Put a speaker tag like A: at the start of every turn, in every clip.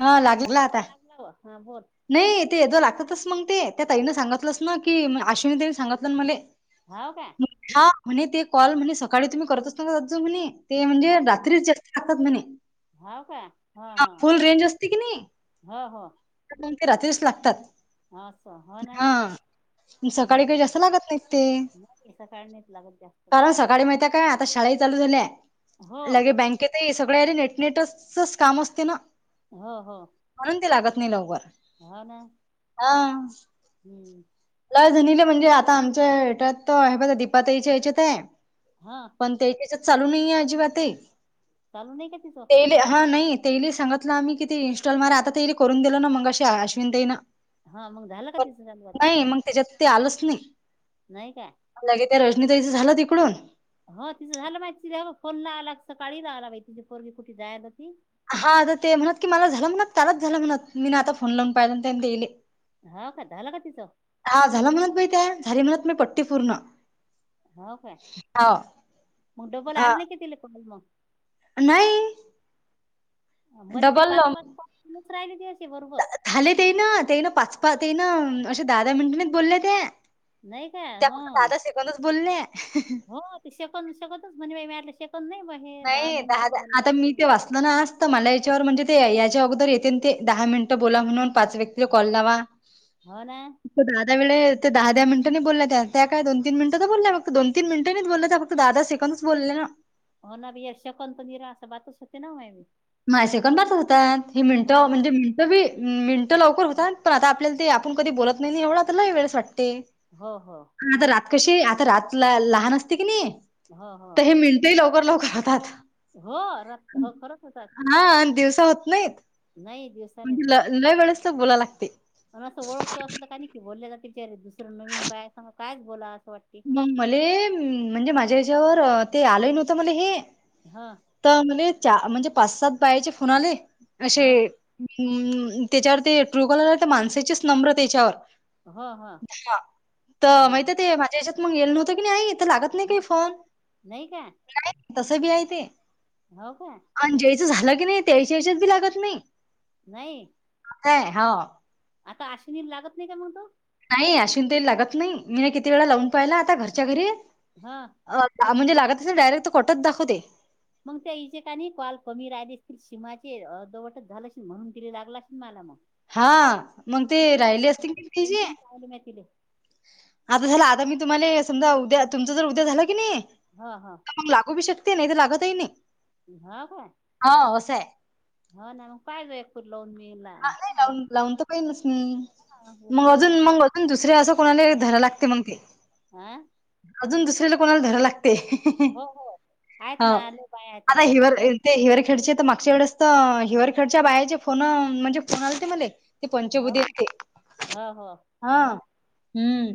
A: हा लागला
B: हो
A: आता.
B: लांब लावा हा बोल
A: नाही तेज लागतातच मग ते त्या ताईनं सांगितलंच ना की आश्विनी त्यांनी सांगितलं मले.
B: हो काय? [unintelligible]
A: हा म्हणे ते कॉल म्हणे सकाळी तुम्ही करत असता जा म्हणे ते म्हणजे
B: हाव
A: रात्रीच जा तात म्हणे,
B: हाव का
A: फुल रेंज असते कि नाही.
B: हा हा.
A: म्हणून ते रात्रीच लागतात.
B: आस हो नाय
A: हा. सकाळी काही जास्त लागत नाही ते,
B: नाही सकाळ नाहीच लागत जास्त
A: कारण सकाळी माहित काय आता शाळाही चालू झाल्या
B: हो
A: लगे बँकेतही सगळं नेटनेटचच काम असते ना.
B: हो हो. [unintelligible]
A: म्हणून ते लागत नाही लवकर.
B: हा ना.
A: आ
B: हम्म.
A: ला झाणीले म्हणजे आता आमच्या हटत आहे बघ दीपाताईच्या हेच्यात आहे.
B: हा.
A: पण ते त्याच्यात चालू नाहीे आहे अजिबात ते [unintelligible]
B: चालू नाही का तिचं?
A: तेली अहा नाही तेली सगितलं, आम्ही किती इन्स्टॉल मार आता तेली करून दिलो ना मग अे अश्विन देई ना.
B: हा मग झाला का तिस हजार नोटा. [unintelligible]
A: नाही मग, त्याच्यात ते आलच नाही.
B: नाही का?
A: लगे त्या रजनीताईचं झालं तिकडून?
B: ह तिचं झालं माहिती तिचा फोन ला ला कसं काळी ला ला बाई तीची पोरगी कुठे जायला ती
A: हा आता ते म्हणत की मला झालं म्हणत कालच झालं म्हणत मी ना आता फोन लावून पाहिल त्यांले
B: हा का झाला का तिचं?
A: हा झाला म्हणत बाई त्या, झाली म्हणत मी पट्टी पूर्ण. [unintelligible] [unintelligible]
B: हो काय?
A: हाव
B: म डबल
A: हा
B: आलं नाही की तिला कॉल मग.
A: नाही. [unintelligible] [unintelligible] [unintelligible]
B: मले ते
A: डबल
B: पाच पाच पाच राहिले ते तेचे बरुबर.
A: झाले ते ना ते ना पाचपा ते ना असे दहा दहा मिनटनी बो ले ते.
B: नाही का
A: त्या फक्त
B: हो
A: दादा शेकंदच च बोललें.
B: हो ते सेकंतच म्हणेण मा सेकंद नाही भं [unintelligible]
A: नाही दहा दा आता मी ते वाचतो. ना ना असत मला याच्यावर म्हणजे ते, याच्या अगोदर येते ते दहा मिनिटं बोला म्हणून. पाच व्यक्तीला,
B: हो
A: कॉल लावा.
B: हो ना
A: दहा दहा वेळे ते दहा दहा मिनटांनायित बोलल्यात त्या काय दोन तीन मिंट तर बोललाय फक् दोन तिन मिंट नई बोलय त्या दादा सेकंदच बोलल्या ना.
B: होणार यश कपंनी र असं, बातच होते नहोय,
A: माझ सेकं बारत होतात. ह मिनटं, म्हणजे मिनटं बी, मिनटं लवकर होतात. पण त आता आपल्याला ते आपण कधी बोलत नाही नं येवढ तरला वेळेस वाटते.
B: हो हो
A: आता रात
B: हं.
A: कशी आता रात तु ल ला लहान असते की, नाही
B: हो हो
A: तर हे मिणटं ही लवकर लवकर होतात.
B: हो र हो खरच ह
A: हा आणि दिवसा होत नाहीत..
B: नाही दिवस
A: म्हणजे ल ल वेळेस तरचं बोलाय लागते.
B: पण असं ओळखतो असलं का नाही की, बोलल्या जाते बिचारे दुसरं नवीन बाया समोर कायच बोला असं वाटते
A: मग मले म्हणजे माझ्या हेच्यावर ते आलंय नव्हतं मले हे
B: हा
A: तर म्हले चा म्हणजे पाच सात बायाचे फोन आले अशे
B: हो ना
A: हम् त्याच्यावर ते ट्रू कॉलर होत ते माणसाचेच नम्र त्याच्यावर.
B: हो हो
A: हा तर
B: हो
A: माहित ते भा तेजच्यात मग येल नव्हतं की आई नाहीथ लागत नाही काही
B: हो
A: फोन
B: नाही का
A: नाही तस बी हाय ते
B: हो काय?
A: आणि ज्यायचं झालं की नाही त्यायच्या याच्याच बी लागत नाही.
B: नाही
A: काय हो
B: आता आश्विनीला लागत नाही का मगतो.
A: नाही अश्विनी तईल लागत नाही, मी नाही किती वेळा लावून पाहिला आता घरच्या घरी.
B: हा
A: अ म्हणजे लागत असेल डायरेक्ट तर कटत दाखवते.
B: मग त्या इेचेंने कॉल कमी राहिलेसतील, सीमाचे दवटच झाला म्हणून तिला लागलाश मला मग.
A: हा मग ते
B: कित ला
A: राहिले असतील
B: हो-
A: की
B: [unintelligible] दोन तीन पाले म तले
A: आप झाला आता मी तुम्हाले समजा उद्या, तुमचं जर उद्या झालं की नाही,
B: हा हा,
A: तर मग लागू शकते नाही तर लागतही नाइ.
B: हा काय?
A: हा असय.
B: हो ना काय एकू पणलवन मल
A: हा नाही लावून लावून त पहि नस मी.
B: हा,
A: मग
B: उचलत
A: अजून
B: जाईल
A: मग अजून दुसरे असं कोणालाही धरा लागते मग ते.
B: आं
A: अजून दुसरीला कोणाला धराव लागतेय.
B: हो हो आहेत ना आले बाय आया
A: आता
B: ताल
A: हिवर ते हिवररखेडचे तर मागच्या वेळेस तर, हिवररखेडच्या बायाचे फोन म्हणजे फोन आले ते मले. ते
B: हो
A: पंचबुधी
B: का
A: हाय ते.
B: हो हो
A: हा
B: हो ना
A: हम्म,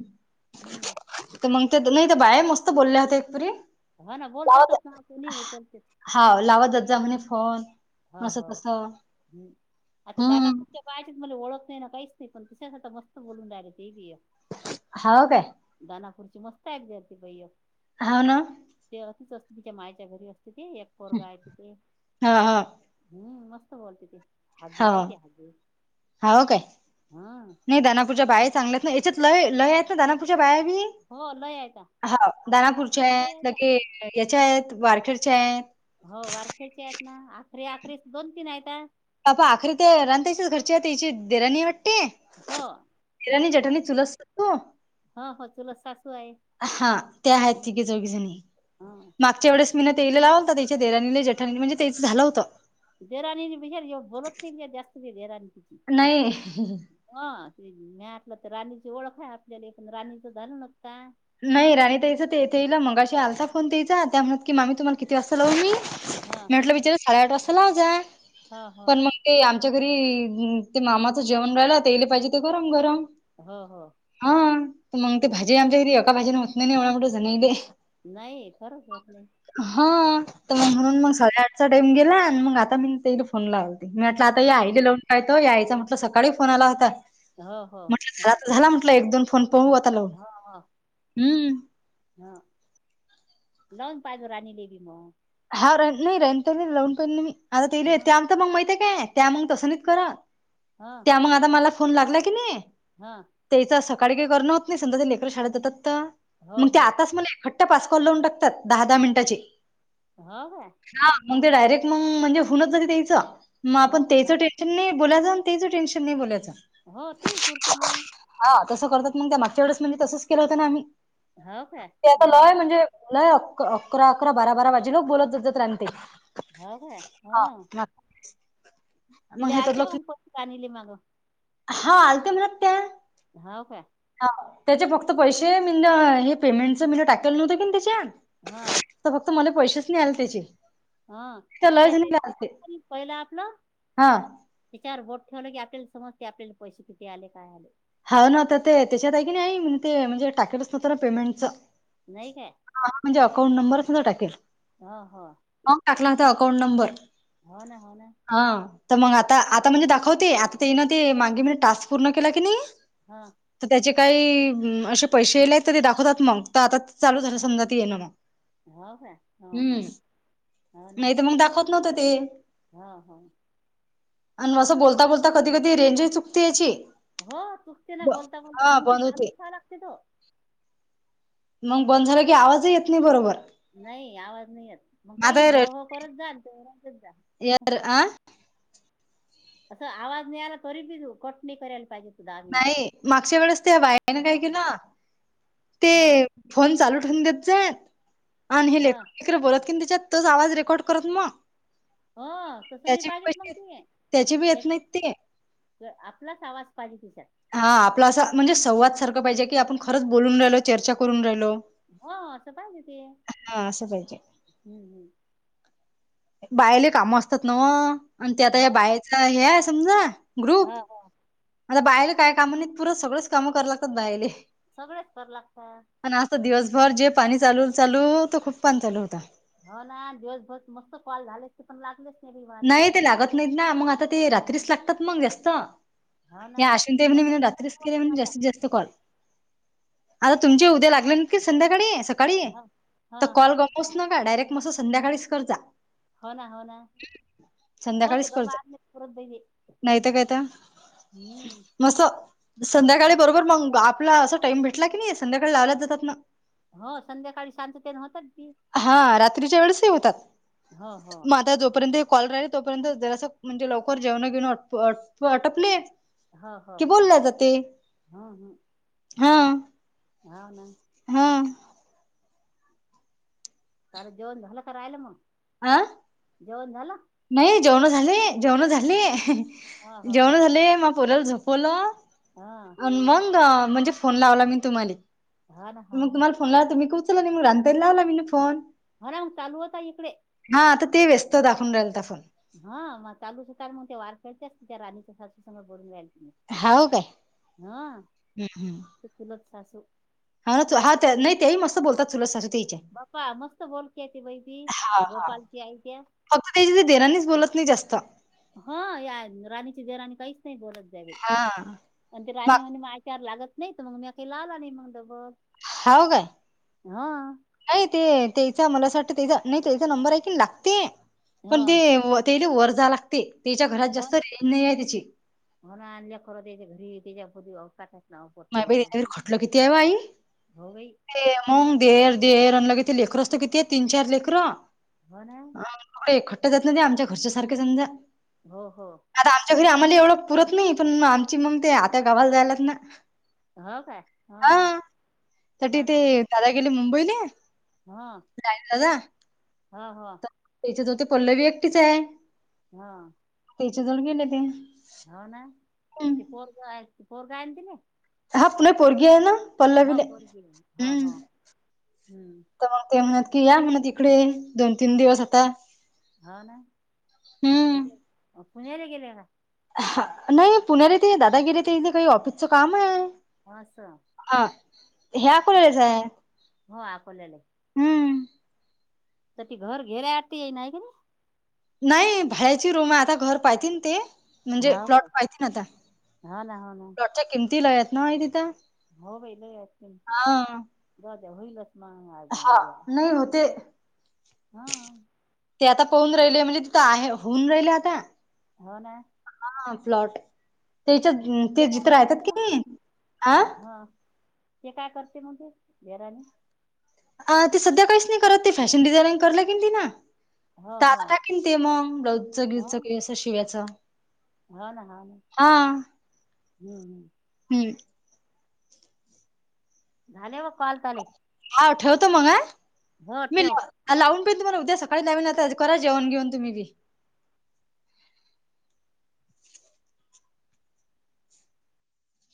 B: हम्म
A: तर मग ते तदुमते नते बाय मस्त बोलल्या होत्या [unintelligible]
B: हो ना
A: लावत
B: बोलतातच ना कोणी उचलतेत.
A: हा लावा दात जा म्हणे फोन.
B: हो
A: असं
B: हो
A: तसं
B: ह् आता
A: हम्म
B: दानापूरच्या पाहिज मला ओळख नाही ना काहीच नाही पण तिच्यासाठीता मस्त बोलून राहियला ते बी
A: हाव काय?
B: दानापूरची मस्त हायेत ग ती बाई ऐक.
A: होव ना?
B: ते असीच असते तिच्या मायच्या घरी असते ते एक पोरगा आहे तिथे
A: हा हा.
B: हम्म मस्त बोलते ते
A: हो
B: हागे आहे ते हागे
A: हो काय
B: हा
A: नाही दनापूच्या बाहे चांगल्या नाही याच्यात लय लय आहेत ना दनापूच्या बायावीी
B: हो लय आहेता
A: हा
B: आपली
A: दानापूरच्या
B: हागेच लय
A: आहेत
B: आहेता
A: लगे याच्या आहेत वारखेडच्या आहेत
B: हो वारखेडचे आहेत ना अखरी अखरीे दोन तीन आहेत
A: अपा आखरी ते राांतायचस घरचीची देराणी वाटते
B: हो
A: देराणी
B: हा
A: जेठाणी चुलत सासू
B: हो हो चुला सासू आहे
A: हा ते आहेत तिघे जोघी जणी
B: हा
A: मग आजच्या वेळेस मी ना तेला लाव हो त्याच्या देरानीले जठानी म्हणजे तेच झालं होतं
B: दरा विशार बोलततेे जास्त देरा किची
A: नाही
B: ह मटलं तर राणीची ओळख आहे आपल्यालाण राणीचं झालं नक का
A: नाही राणी त्याच तेथईला मंगाशी आलता फोन त्यायचा त्या म्हणत की मामी तुम्हाला किती वाजता लावू मी म
B: का हा
A: म्हटलं बिचारा साडेआठ वाजता लाव जाय
B: हा हा
A: पण मग ते आमच्या घरी ते मामाचं जेवण राहिला तेले पाहिजे ते गरम गरम
B: हो हो
A: हा तर मग ते
B: हा
A: भाजी आमच्या घरी एका भाजीने होत नाही नाही एवढ मोठं जणले
B: नाही खरंच होत नाही
A: हा तर
B: हा हा
A: म्हणून मग साध चा टाईम गेला आणि मग आता मी ते फोन लावती मी म्हटलं आता
B: हा
A: या आली लावून य तो यायचं म्हटलं सकाळी फोन आला होता
B: हो हो
A: म्हट झाला तर झाला म्हटलं एक दोन फोन पहूता
B: हा हा
A: हम्म
B: हां लंग पाजो राणी ललेब म
A: हा र नाही रनता लवून पण मी आता ते
B: ह
A: त्या आम मग माहितीय काय त्या मग तसं नाहीच करा
B: हा
A: त्या मग आता मला फोन लागला की नाही
B: हा
A: तेच सकाळी काही करणं होत नाही सधा ते कर शाळेत जातात तर
B: हो
A: मग ते
B: हो
A: आताच मला त्या पासकॉल लावून टकतात दहा दहा मिनिटाची
B: हा का
A: हा मग ते डायरेक्ट मग म्हणजे होनच झाली त्याच मग
B: हो ना
A: आपण त्याच
B: घा
A: टे नाही बोयचं तेच टेन्शन नाही बोयचं
B: हो ते पुरते मग
A: हा तसं करतात मग त्या मागच्या वेळेस म्हणजे तसंच केलं होतं ना आम्ही
B: हो काय
A: ते आता
B: हो
A: लॉ आहे म्हणजे नाही अक अकरा अकरा बारा बारा वाजे लोक बोलत ज राते
B: हो काय हो
A: मग
B: तिला
A: हे तर
B: आलते का
A: लक्ष
B: म कोत कानली मग
A: हा आलते म्हणत त्या
B: हा काय
A: ह त्याचे फक्त पैसे मी हे पेमेंटच मी टाकलं नव्हतं की त्याच्यात
B: हा
A: तर फक्त मला पैसेच नाही आले त्याची
B: हा त्या ते पहिला आपलं
A: हा
B: त्याच्यावर बोट ठेवलं की आपल्याला समजते आपल्याले पैसे किती आले काय आले
A: हा ना आता ते त्याच्यात आहे की नाही ते म्हणजे टाकलंच नव्हतं ना पेमेंटच
B: नाही काय
A: ह म्हणजे अकाउंट नंबर सुद्धा टाकेल
B: हा हा
A: मग टाकला होता अकाउंट नंबर
B: हो ना हो ना
A: हा तर मग आता
B: हो
A: आता म्हणजे दा दाखवते आता ते ना ते माांगे म्ह टास्क पूर्ण केला की नाही
B: हा
A: तर त्याचे काही असे पैसेले आहेत तर ते दाखवतात मग तर आता चालू झालं समजा त ये ना मग
B: हो का हो
A: हम्म
B: हो हो ना....
A: नाही तर मग दाखवत नव्हतं ते....
B: हा हा....
A: आणि म कस बोलता बोलता कधी कधी रेंज चुकते अशी....
B: हो चुकते ना बोलता बोलता मग ते
A: बंद होते
B: चालूच ठेवाय लागते....
A: मग बंद झालं की आवाज येत नाही बरोबर....
B: नाही आवाज नाही येत मग काही नाही हो हो करत जा तेच जा....
A: यर अ...
B: असं आवाज नाही आला तरी बी कट नाही करायला पाहिजे... तू दहा मिनिटं.
A: नाही मागच्या वेळेस त्या बायकांनी काय केलं? ते
B: हा....
A: फोन चालू ठेवून देत जा आणि हे लेप....
B: हं
A: तिला बोलत कि त्याच्यात तच आवाज रेकॉर्ड करत मग....
B: हो तसं नाही
A: त्याचे बी
B: पाहिजेेत मग
A: पैसे
B: त
A: त्याचे बी येत
B: त्याची...
A: नाहीत ते
B: आपलाच आवाज पाहिजे कि शकत...
A: हा आपला असं म्हणजे संवाद सारखं पाहिजे की आपण खरंच बोलून राहिलो चर्चा करून राहिलो...
B: हो असं पाहिजे ते हम
A: हा असं पाहिजे
B: हम्म.....
A: पहिले का मस्त आहेत नव्ह ते आता या बायाचा हे आहे समजा...
B: हा
A: ग्रुप
B: हा....
A: आता बाहेर काय काम नाहीत पुरं सगळेच कामं करा लागतात बाहेले...
B: सगळेच करू लागतात.....
A: आता दिवसभर जे पाणी चालू चालू खूप पाणी चालू होत...
B: हो ना दिवसभर मस्त कॉल झाले.... पण लागतच नाही... माले.
A: नाही ते लागत नाहीत ना मग आता ते रात्रीच लागतात मग जास्त....
B: हो ना
A: या असून ते म्हणे
B: असंच
A: म्हण
B: करत
A: रात्रीच केले
B: बसू
A: म्हण
B: आता.
A: जास्तीत जास्त कॉल..... आता तुमचे उद्या लागले संध्याकाळी सकाळी
B: हो हा
A: तर कॉल... हो न का डायरेक्ट मस्त संध्याकाळीच कर जा....
B: हो ना हो ना हो ते
A: संध्याकाळीच
B: ग
A: कर जा
B: म परत ब....
A: नाही तर काय तर मस्त संध्याकाळी
B: हे तर
A: बरोबर मग
B: चांगलं
A: आपला
B: आहे.
A: अस टाइम भेट.... लगेच संध्याकाळ लावला जात ना.....
B: हो संध्याकाळी सात ते नऊ होतात ती...
A: हा रात्रीच्या वेळेस होतात
B: हो हो
A: मग आता जोपर्यंत.... कॉल राहि तो पर्यंत जरास म्हणजे लवकर जेवण घेऊन आटपले....
B: हो हो
A: कि बोलला ते हा....
B: हा ना....
A: हा.....
B: सारं जेवण झालं का राहिलं मग...
A: आं.....
B: जेवण झालं.....
A: नाही जेवण झाले जेवण झाले
B: हा हो हो
A: जेवण झाले म पोरला झोपवलं.....
B: हा....
A: मग म्हणजे फोन लावला मी तुम्हा
B: हा ना हा
A: म
B: ना
A: तुम्हाला.... फोन लावल्यावर मी तुम्ही उचलला काय नाही मग रात्री आणि लावला मी फोन....
B: हर चालू होता इकडे....
A: हा आता ते व्यस्त दाखवून राहिल तर फोन...
B: हा मग चालू होता मग ते वार खेळतेच त्या राणीच्या सासू समोर बोलून रायल त....
A: हाव काय
B: हा
A: हम्म, हम्म.
B: ते चुलत सासू....
A: हा ना हा त्या नाही तेही मस्त बोलतात चुलत सासू ते....
B: बाप्पा मस्त बोलते त बाहिती
A: हा हा
B: गोपालची आई त्याया....
A: फक्त त्याच्या ते दिरानीच बोलत नाही जास्त
B: हा या राणीची देवरानी काहीच नाही बोलत जा बाई
A: हा
B: आणि ते राणी
A: मग
B: म्हणे माझ्या यांच्यावर लागत नाहीत मग मी काही लावला नाही मग बघत
A: हाव काय? नाही ते त्याचा मला असं वाटतं तेचा नाही त्याचा नंबर ऐकि नाही लागते
B: हो
A: पण ते ते वर जावे लागते त्याच्या घरात
B: हो
A: जास्त रेंज नाही आहे त्याची
B: [unintelligible]
A: यावेळी
B: यायचं
A: खोटल किती आहे बाई
B: हो बाई
A: ते मग देर देर अनला किती लेकरं असतो किती तीन चार लेकरं
B: हे ना
A: ते खट्ट घातलेले आमच्या घरच्या सारख्या समजा
B: हो हो
A: आता आमच्या घरी आम्हाला एवढं पुरत नाही पण आमची मग ते आता गावाला जायलात ना
B: हो काय हा
A: तटी ते दादा गेले मुंबईला
B: हा
A: काय झालं.
B: हो हो.
A: त्याच्या जवळ ते पल्लवी एकटीच आहे.
B: हा.
A: त्याच्याजवळ गेले ते
B: हो ना स
A: हम्म
B: पोरग पोरगा आणतील ना
A: हा तुला पोरगी आहे ना
B: हा
A: पल्लवीले
B: पोरगी हाय हा
A: हम्म
B: हा हम्म
A: तर मग ते की या तुम्ही तिकडे दोन तीन दिवस आता
B: हो ना
A: हम्म
B: ते पुण्याला गेले का?
A: नाही पुण्यात तिथे दादा गेले ते इथे काही ऑफिसचं काम आहे.
B: आस
A: हा ह्या
B: हो, अकोल्याला
A: [unintelligible]
B: [unintelligible]
A: नाही भाड्याची रूम आहे आता घर पाहतील ते म्हणजे
B: नाही हो
A: प्लॉट
B: काय
A: पाहतील आता
B: हो ना हो ना
A: प्लॉटच्या किमती लय आहेत ना तिथं.
B: हो बाई लय असत
A: हा
B: द्या द्या होईलच. महागा नऊ
A: हा
B: घ्या
A: नाही होते.
B: हा [unintelligible]
A: ते आता पाहून राहिले म्हणजे तिथं आहे होऊन राहिले आता
B: हो ना
A: हा प्लॉट त्याच्यात ते
B: काय
A: जिथ
B: करते
A: राहतात
B: तर मग
A: की
B: ते
A: नाही आ
B: हा ते काय करते मग ते देवरानी
A: अ ते सध्या काहीच नाही करत ते फॅशन डिझानिंग करल कीन ती न
B: हो
A: तात
B: हो
A: टाकेन ते मग ब्लाऊज
B: हो
A: बिऊजच की असं शिवायच.
B: हो ना हा ना हम्म
A: हम्म.
B: झाले ओ कॉल झाले.
A: हा ठेवतो मग आ मील
B: ठेव
A: आ लावून पण तुम्हाला उद्या सकाळी नवीन आता करा जेवण घेऊ तुम्ही बी